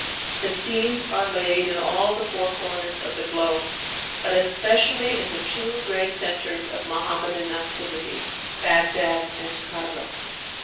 The scenes are laid in all the four corners of the globe, but especially in the two great centres of Muhammadan activity, Bagdad and Cairo.